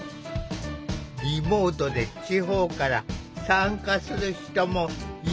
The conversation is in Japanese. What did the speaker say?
リモートで地方から参加する人もいるほどの人気ぶり。